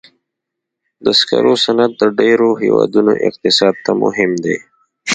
د سکرو صنعت د ډېرو هېوادونو اقتصاد ته مهم دی.